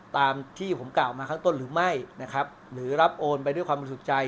ตามที่ผมกล่าวข้างต้นหรือไม่หรือรับโอนไปด้วยความปลูกสุดใจ